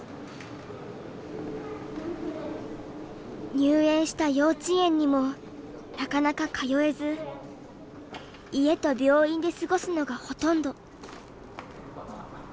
入園した幼稚園にもなかなか通えず家と病院で過ごすのがほとんど。